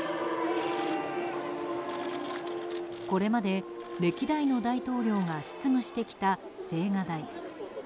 これまで歴代の大統領が執務してきた青瓦台。